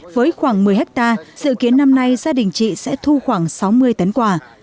với khoảng một mươi hectare dự kiến năm nay gia đình chị sẽ thu khoảng sáu mươi tấn quả